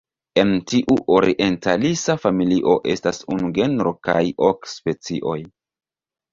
En tiu orientalisa familio estas unu genro kaj ok specioj.